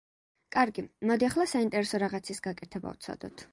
კარგი, მოდი ახლა საინტერესო რაღაცის გაკეთება ვცადოთ.